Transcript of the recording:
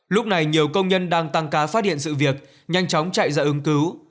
lúc này nhiều công nhân đang tăng ca phát hiện sự việc nhanh chóng chạy ra ứng cứu